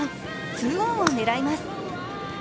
２オンを狙います。